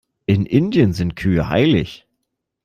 In Indien sind Kühe heilig.